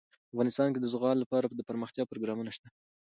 افغانستان کې د زغال لپاره دپرمختیا پروګرامونه شته.